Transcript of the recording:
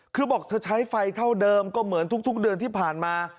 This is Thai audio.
คือบอกเธอใช้ไฟเท่าเดิมก็เหมือนทุกเดือนที่ผ่านมา